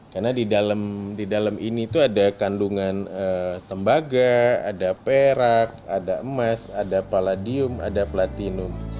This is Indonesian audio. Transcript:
karena di dalam ini tuh ada kandungan tembaga ada perak ada emas ada palladium ada platinum